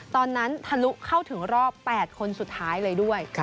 ทะลุเข้าถึงรอบ๘คนสุดท้ายเลยด้วย